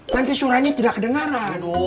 nanti surahnya tidak kedengaran